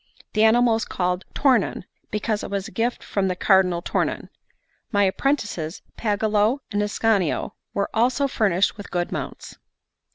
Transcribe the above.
The animal was called Tornon, because it was a gift from the Cardinal Tornon. My apprentices, Pagolo and Ascanio, were also furnished with good mounts.